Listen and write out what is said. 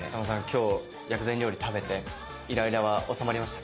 今日薬膳料理食べてイライラは治まりましたか？